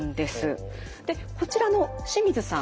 こちらの清水さん。